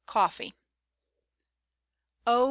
COFFEE. Oh